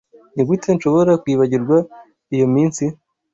Nigute nshobora kwibagirwa iyo minsi?